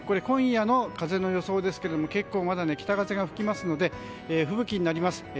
今夜の風の予想ですけれども結構まだ北風が吹きますので吹雪になります。